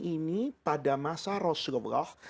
ini pada masa rasulullah